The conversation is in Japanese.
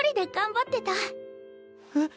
えっ。